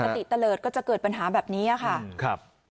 สติเตลิดก็จะเกิดปัญหาแบบนี้ค่ะ